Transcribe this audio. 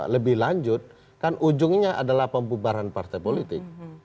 lebih lanjut kan ujungnya adalah pembubaran partai politik